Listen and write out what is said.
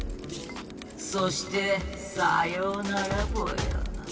そしてさようならぽよ。